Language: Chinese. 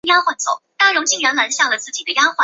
因此而计算出来的距离会是错武的。